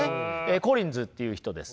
コリンズっていう人です。